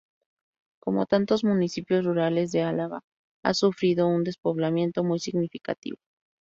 Como tantos municipios rurales de Álava, ha sufrido un despoblamiento muy significativo.